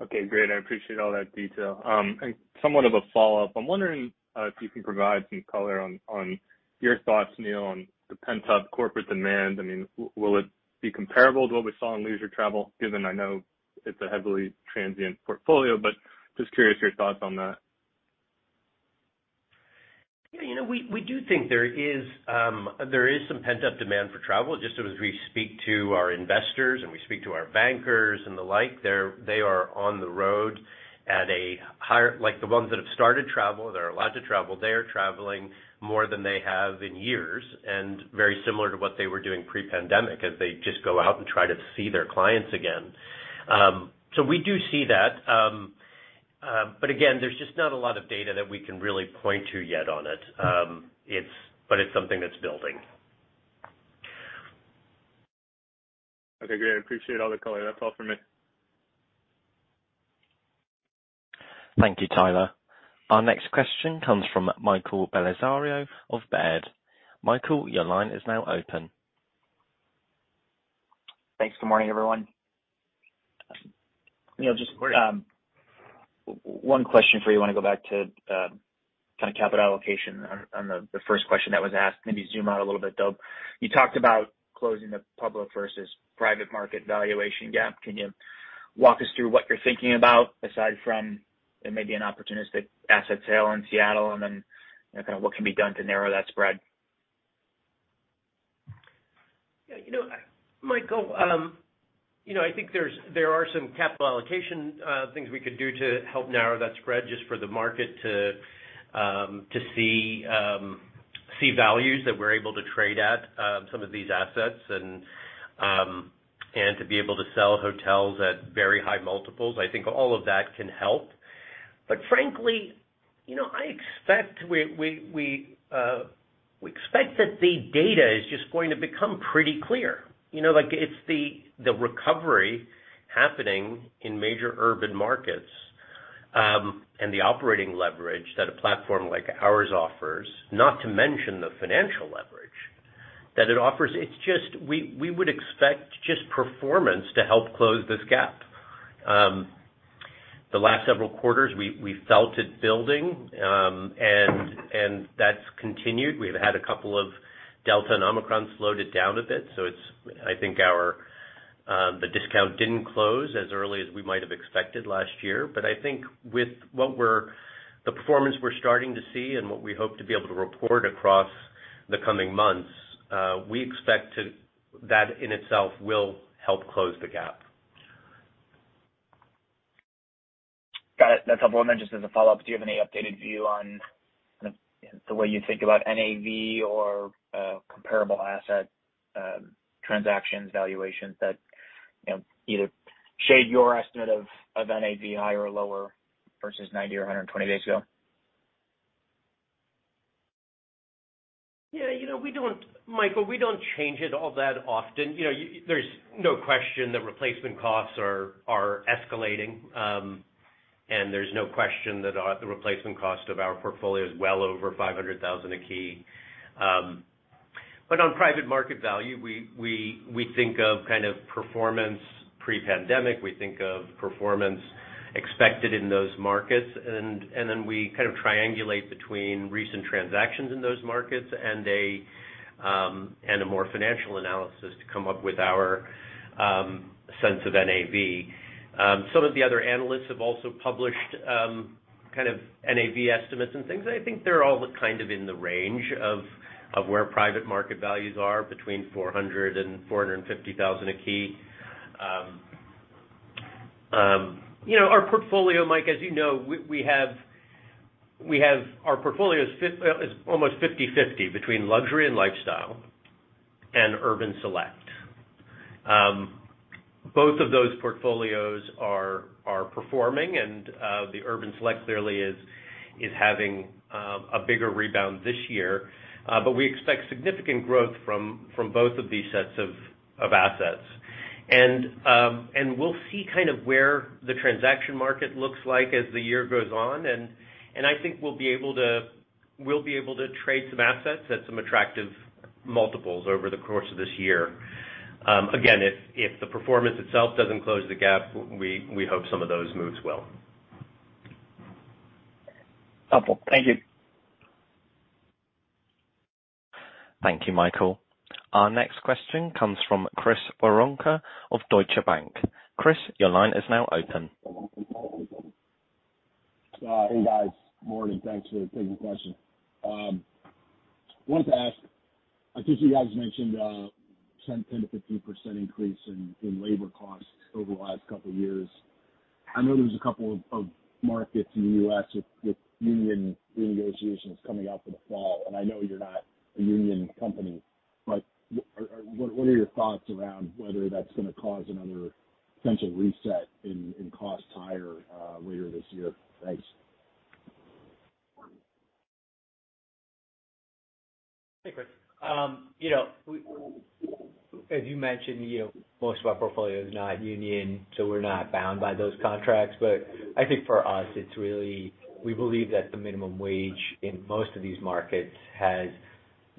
Okay, great. I appreciate all that detail. And somewhat of a follow-up. I'm wondering if you can provide some color on your thoughts, Neil, on the pent-up corporate demand. I mean, will it be comparable to what we saw in leisure travel? Given I know it's a heavily transient portfolio, but just curious your thoughts on that. Yeah, you know, we do think there is some pent-up demand for travel. Just as we speak to our investors and we speak to our bankers and the like, they're on the road at a higher. Like, the ones that have started travel, they are allowed to travel, they are traveling more than they have in years, and very similar to what they were doing pre-pandemic as they just go out and try to see their clients again. We do see that. Again, there's just not a lot of data that we can really point to yet on it. It's something that's building. Okay, great. I appreciate all the color. That's all for me. Thank you, Tyler. Our next question comes from Michael Bellisario of Baird. Michael, your line is now open. Thanks. Good morning, everyone. Good morning. Neil, just one question for you. I wanna go back to kind of capital allocation on the first question that was asked, maybe zoom out a little bit though. You talked about closing the public versus private market valuation gap. Can you walk us through what you're thinking about aside from maybe an opportunistic asset sale in Seattle? You know, kind of what can be done to narrow that spread? Yeah, you know, Michael, you know, I think there are some capital allocation things we could do to help narrow that spread just for the market to see values that we're able to trade at some of these assets and to be able to sell hotels at very high multiples. I think all of that can help. Frankly, you know, I expect we expect that the data is just going to become pretty clear. You know, like it's the recovery happening in major urban markets and the operating leverage that a platform like ours offers, not to mention the financial leverage that it offers. It's just we would expect just performance to help close this gap. The last several quarters, we felt it building and that's continued. We've had a couple of Delta and Omicron slowed it down a bit, so I think our discount didn't close as early as we might have expected last year. I think with the performance we're starting to see and what we hope to be able to report across the coming months, we expect that in itself will help close the gap. Got it. There's a couple more then just as a follow-up. Do you have any updated view on kind of the way you think about NAV or comparable asset transactions, valuations that, you know, either shade your estimate of NAV higher or lower versus 90 or 120 days ago? Yeah, you know, Michael, we don't change it all that often. You know, there's no question that replacement costs are escalating, and there's no question that the replacement cost of our portfolio is well over $500,000 a key. On private market value, we think of kind of performance pre-pandemic. We think of performance expected in those markets. We kind of triangulate between recent transactions in those markets and a more financial analysis to come up with our sense of NAV. Some of the other analysts have also published kind of NAV estimates and things. I think they're all kind of in the range of where private market values are between $400,000-$450,000 a key. You know, our portfolio, Mike, as you know, we have. Our portfolio is almost 50/50 between luxury and lifestyle and urban select. Both of those portfolios are performing and the urban select clearly is having a bigger rebound this year. We expect significant growth from both of these sets of assets. We'll see kind of where the transaction market looks like as the year goes on. I think we'll be able to trade some assets at some attractive multiples over the course of this year. Again, if the performance itself doesn't close the gap, we hope some of those moves will. Helpful. Thank you. Thank you, Michael. Our next question comes from Chris Woronka of Deutsche Bank. Chris, your line is now open. Hey, guys. Morning. Thanks for taking the question. Wanted to ask, I think you guys mentioned 10%-15% increase in labor costs over the last couple of years. I know there's a couple of markets in the U.S. with union negotiations coming up for the fall, and I know you're not a union company, but what are your thoughts around whether that's gonna cause another potential reset in costs higher later this year? Thanks. Hey, Chris. As you mentioned, most of our portfolio is not union, so we're not bound by those contracts. I think for us, we believe that the minimum wage in most of these markets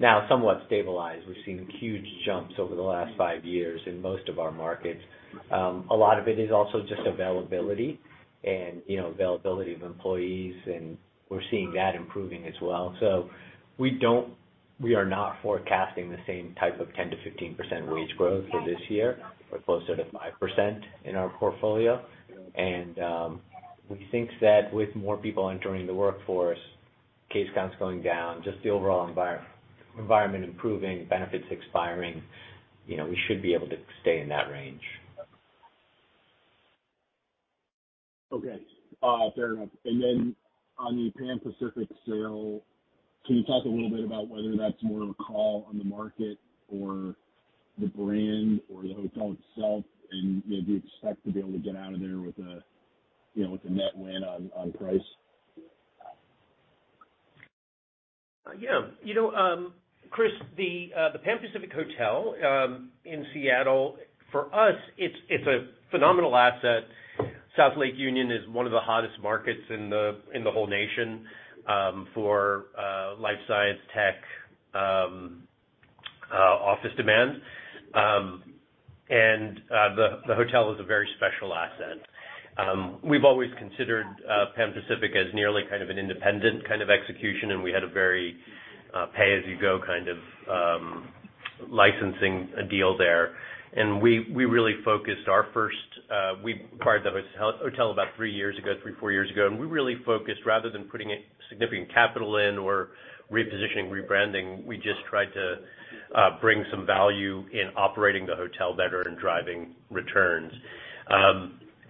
has now somewhat stabilized. We've seen huge jumps over the last 5 years in most of our markets. A lot of it is also just availability and, you know, availability of employees, and we're seeing that improving as well. We are not forecasting the same type of 10%-15% wage growth for this year. We're closer to 5% in our portfolio. We think that with more people entering the workforce, case counts going down, just the overall environment improving, benefits expiring, you know, we should be able to stay in that range. Okay. Fair enough. Then on the Pan Pacific sale, can you talk a little bit about whether that's more of a call on the market or the brand or the hotel itself? You know, do you expect to be able to get out of there with a, you know, with a net win on price? Yeah. You know, Chris, the Pan Pacific Hotel in Seattle, for us, it's a phenomenal asset. South Lake Union is one of the hottest markets in the whole nation for life science, tech, office demand. The hotel is a very special asset. We've always considered Pan Pacific as nearly kind of an independent kind of execution, and we had a very pay-as-you-go kind of licensing deal there. We really focused. We acquired that hotel about three, four years ago, and we really focused rather than putting a significant capital in or repositioning, rebranding. We just tried to bring some value in operating the hotel better and driving returns.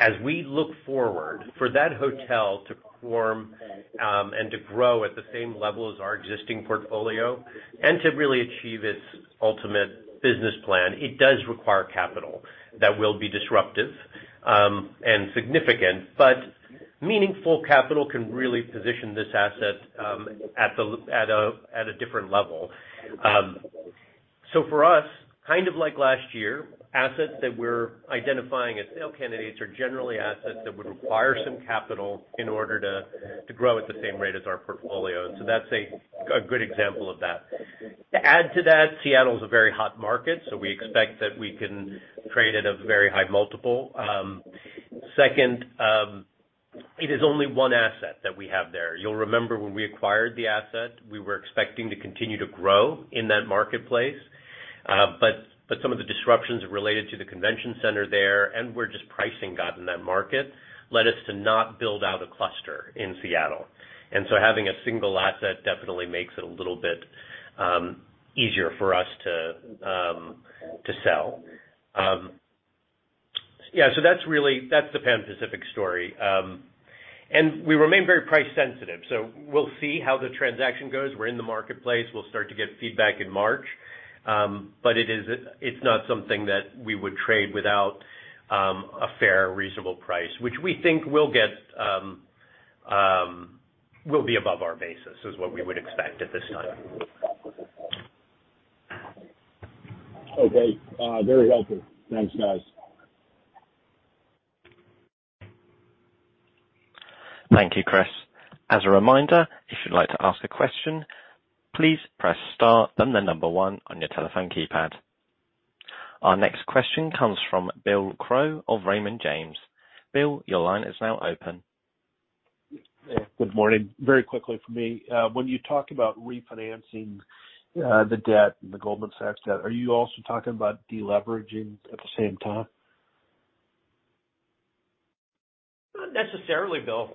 As we look forward, for that hotel to perform and to grow at the same level as our existing portfolio and to really achieve its ultimate business plan, it does require capital that will be disruptive and significant. Meaningful capital can really position this asset at a different level. For us, kind of like last year, assets that we're identifying as sale candidates are generally assets that would require some capital in order to grow at the same rate as our portfolio. That's a good example of that. To add to that, Seattle is a very hot market, so we expect that we can trade at a very high multiple. Second, it is only one asset that we have there. You'll remember when we acquired the asset, we were expecting to continue to grow in that marketplace. But some of the disruptions related to the convention center there, and where just pricing got in that market, led us to not build out a cluster in Seattle. Having a single asset definitely makes it a little bit easier for us to sell. Yeah, so that's the Pan Pacific story. We remain very price sensitive, so we'll see how the transaction goes. We're in the marketplace. We'll start to get feedback in March. But it's not something that we would trade without a fair, reasonable price, which we think will get will be above our basis, is what we would expect at this time. Okay. Very helpful. Thanks, guys. Thank you, Chris. As a reminder, if you'd like to ask a question, please press star then the number one on your telephone keypad. Our next question comes from Bill Crow of Raymond James. Bill, your line is now open. Good morning. Very quickly from me. When you talk about refinancing, the debt and the Goldman Sachs debt, are you also talking about deleveraging at the same time? Not necessarily, Bill.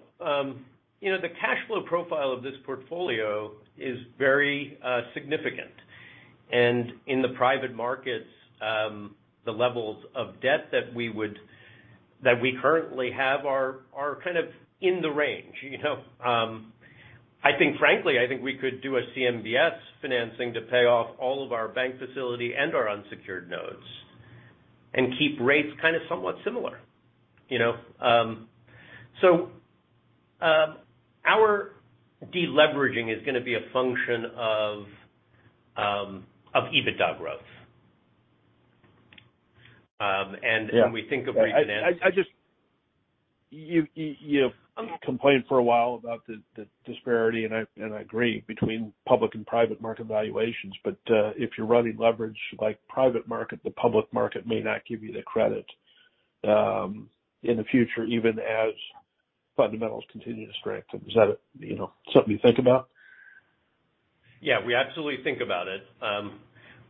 You know, the cash flow profile of this portfolio is very significant. In the private markets, the levels of debt that we currently have are kind of in the range, you know? I think, frankly, we could do a CMBS financing to pay off all of our bank facility and our unsecured notes and keep rates kind of somewhat similar, you know? Our deleveraging is gonna be a function of EBITDA growth. When we think of refinance- You complained for a while about the disparity, and I agree, between public and private market valuations. If you're running leverage like private market, the public market may not give you the credit in the future, even as fundamentals continue to strengthen. Is that, you know, something you think about? Yeah, we absolutely think about it.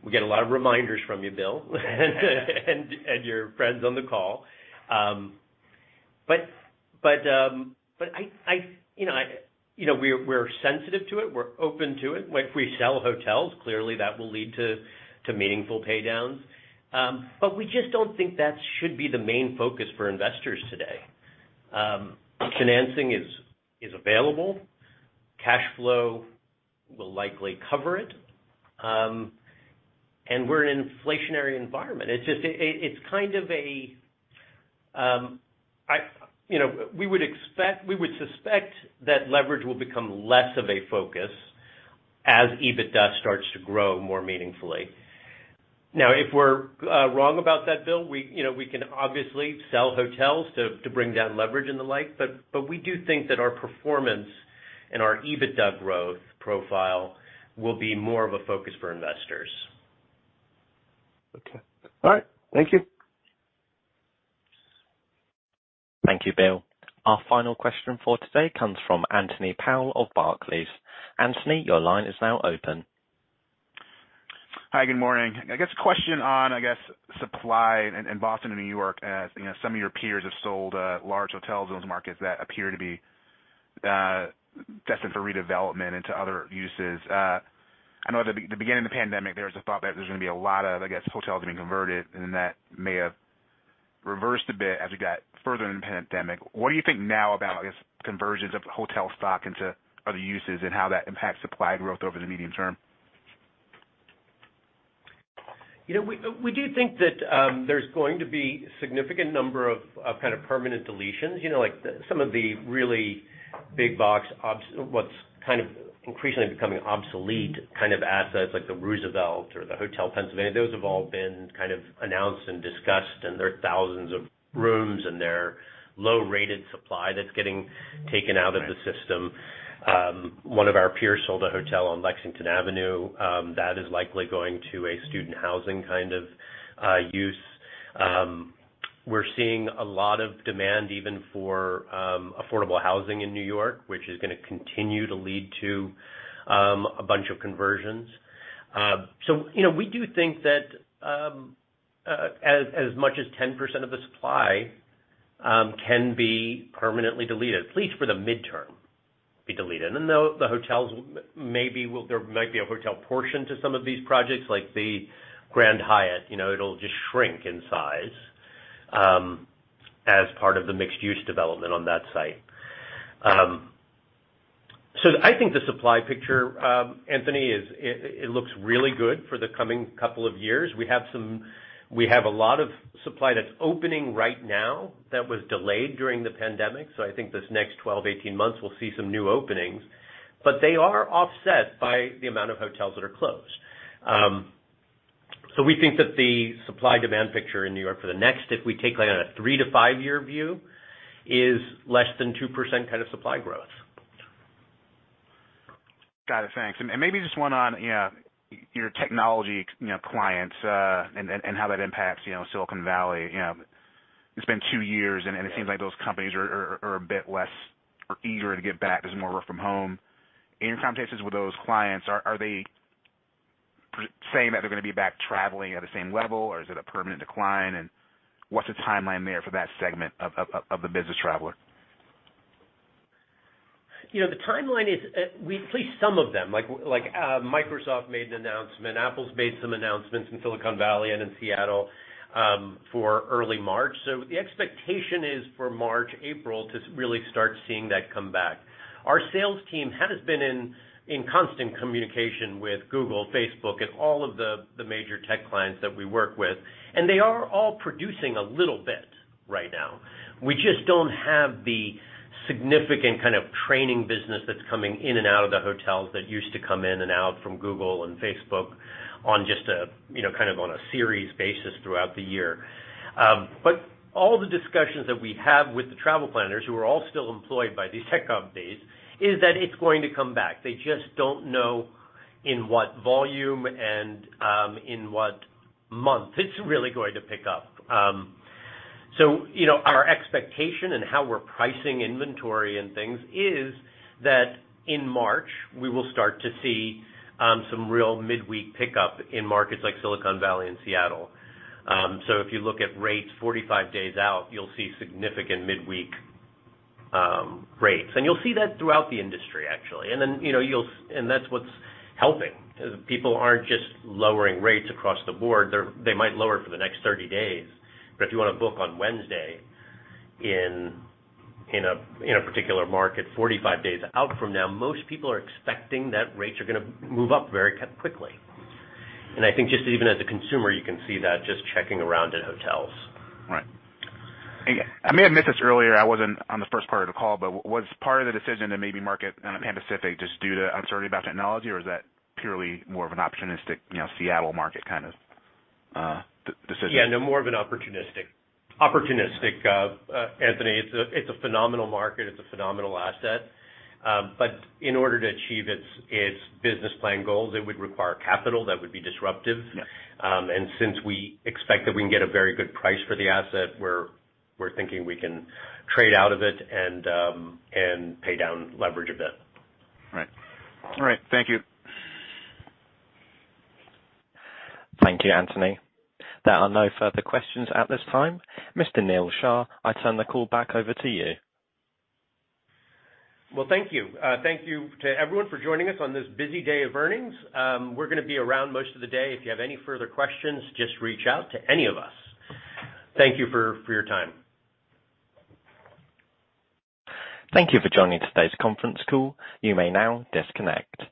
We get a lot of reminders from you, Bill, and your friends on the call. You know, we're sensitive to it. We're open to it. Like, if we sell hotels, clearly that will lead to meaningful pay downs. We just don't think that should be the main focus for investors today. Financing is available. Cash flow will likely cover it. We're in an inflationary environment. You know, we would suspect that leverage will become less of a focus as EBITDA starts to grow more meaningfully. Now, if we're wrong about that, Bill, you know, we can obviously sell hotels to bring down leverage and the like, but we do think that our performance and our EBITDA growth profile will be more of a focus for investors. Okay. All right. Thank you. Thank you, Bill. Our final question for today comes from Anthony Powell of Barclays. Anthony, your line is now open. Hi, good morning. I guess question on, I guess, supply in Boston and New York as, you know, some of your peers have sold large hotels in those markets that appear to be destined for redevelopment into other uses. I know at the beginning of the pandemic, there was a thought that there was gonna be a lot of, I guess, hotels being converted, and then that may have reversed a bit as we got further in the pandemic. What do you think now about, I guess, conversions of hotel stock into other uses and how that impacts supply growth over the medium term? You know, we do think that there's going to be a significant number of kind of permanent deletions. You know, like some of the really big box, kind of increasingly becoming obsolete kind of assets like The Roosevelt Hotel or the Hotel Pennsylvania, those have all been kind of announced and discussed, and there are thousands of rooms, and they're low-rated supply that's getting taken out of the system. One of our peers sold a hotel on Lexington Avenue, that is likely going to a student housing kind of use. We're seeing a lot of demand even for affordable housing in New York, which is gonna continue to lead to a bunch of conversions. So, you know, we do think that as much as 10% of the supply can be permanently deleted, at least for the midterm. Then there might be a hotel portion to some of these projects, like the Grand Hyatt. You know, it'll just shrink in size as part of the mixed-use development on that site. So I think the supply picture, Anthony, is. It looks really good for the coming couple of years. We have a lot of supply that's opening right now that was delayed during the pandemic, so I think this next 12-18 months we'll see some new openings. They are offset by the amount of hotels that are closed. We think that the supply-demand picture in New York for the next, if we take, like, on a 3-5-year view, is less than 2% kind of supply growth. Got it. Thanks. Maybe just one on, you know, your technology, you know, clients, and how that impacts, you know, Silicon Valley. You know, it's been two years, and it seems like those companies are a bit less eager to get back. There's more work from home. In your conversations with those clients, are they saying that they're gonna be back traveling at the same level or is it a permanent decline? What's the timeline there for that segment of the business traveler? You know, the timeline is, at least some of them, like, Microsoft made an announcement, Apple's made some announcements in Silicon Valley and in Seattle, for early March. The expectation is for March, April to really start seeing that come back. Our sales team has been in constant communication with Google, Facebook, and all of the major tech clients that we work with, and they are all producing a little bit right now. We just don't have the significant kind of training business that's coming in and out of the hotels that used to come in and out from Google and Facebook on just a, you know, kind of on a series basis throughout the year. All the discussions that we have with the travel planners, who are all still employed by these tech companies, is that it's going to come back. They just don't know in what volume and in what month it's really going to pick up. You know, our expectation in how we're pricing inventory and things is that in March we will start to see some real midweek pickup in markets like Silicon Valley and Seattle. If you look at rates 45 days out, you'll see significant midweek rates. You'll see that throughout the industry actually. You know, that's what's helping. People aren't just lowering rates across the board. They might lower for the next 30 days, but if you want to book on Wednesday in a particular market 45 days out from now, most people are expecting that rates are gonna move up very quickly. I think just even as a consumer you can see that just checking around in hotels. Right. I may have missed this earlier. I wasn't on the first part of the call, but was part of the decision to maybe market the Pan Pacific just due to uncertainty about technology, or is that purely more of an opportunistic, you know, Seattle market kind of decision? Yeah, no, more of an opportunistic Anthony, it's a phenomenal market. It's a phenomenal asset. But in order to achieve its business plan goals, it would require capital that would be disruptive. Yeah. Since we expect that we can get a very good price for the asset, we're thinking we can trade out of it and pay down leverage a bit. Right. All right. Thank you. Thank you, Anthony. There are no further questions at this time. Mr. Neil Shah, I turn the call back over to you. Well, thank you. Thank you to everyone for joining us on this busy day of earnings. We're gonna be around most of the day. If you have any further questions, just reach out to any of us. Thank you for your time. Thank you for joining today's conference call. You may now disconnect.